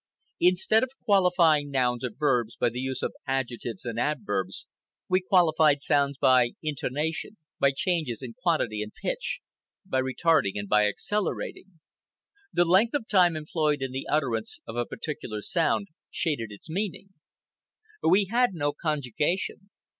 Instead of qualifying nouns or verbs by the use of adjectives and adverbs, we qualified sounds by intonation, by changes in quantity and pitch, by retarding and by accelerating. The length of time employed in the utterance of a particular sound shaded its meaning. We had no conjugation.